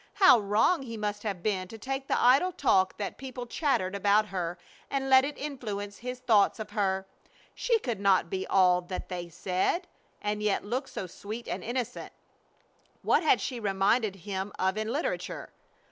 How wrong he must have been to take the idle talk that people chattered about her and let it influence his thoughts of her. She could not be all that they said, and yet look so sweet and innocent. What had she reminded him of in literature?